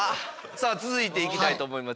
さあ続いていきたいと思います。